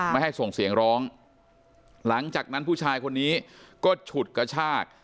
ไม่ให้ส่งเสียงร้องหลังจากนั้นผู้ชายคนนี้ก็ฉุดกระชาก